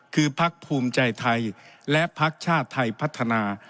คือพักภูมิใจไทยและพักชาติไทยพัฒนา